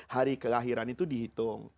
hari kelahiran itu dihitung